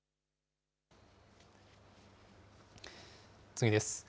次です。